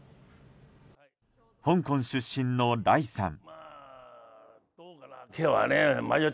香港出身のライさん。